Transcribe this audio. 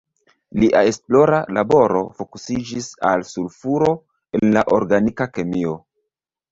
Lia esplora laboro fokusiĝis al sulfuro en la organika kemio.